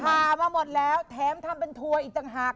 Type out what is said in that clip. ผ่ามาหมดแล้วแถมทำเป็นทัวร์อีกต่างหาก